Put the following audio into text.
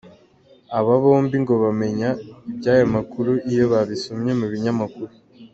Aba bombi ngo bamenya iby’aya makuru iyo babisomye mu binyamakuru.